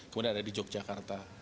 kemudian ada di yogyakarta